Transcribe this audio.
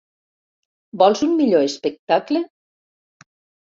Vols un millor espectacle?